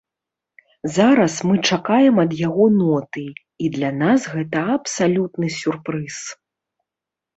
Зараз мы чакаем ад яго ноты, і для нас гэта абсалютны сюрпрыз!